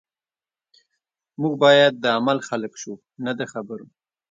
موږ باید د عمل خلک شو نه د خبرو